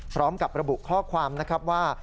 พร้อมกับระบุข้อความนะครับว่า